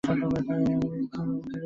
তিনি এসানে স্টুডিওজের সাথে যুক্ত হন।